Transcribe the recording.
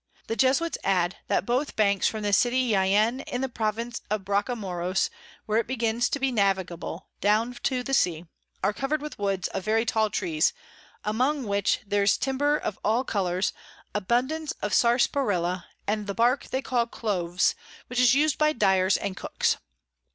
The Jesuits add, that both Banks from the City Jaen in the Province of Bracamoros, where it begins to be navigable, down to the Sea, are cover'd with Woods of very tall Trees, among which there's Timber of all colours, abundance of Sarsaparilla, and the Bark they call Cloves, which is us'd by Dyers and Cooks.